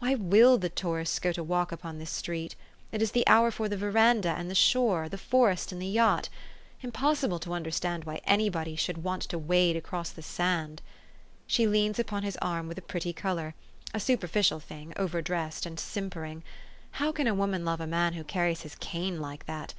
Why will the tourists go to walk upon this street? It is the hour for the veranda and the shore, the forest and the yacht. Impossible to understand why anybody should want to wade across this sand. She leans upon his arm with a pretty color, a superficial thing, over dressed and sim pering. How can a woman love a man who carries his cane like that